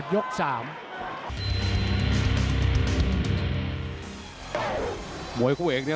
ฝ่ายทั้งเมืองนี้มันตีโต้หรืออีโต้